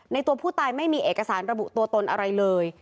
ตัวผู้ตายไม่มีเอกสารระบุตัวตนอะไรเลย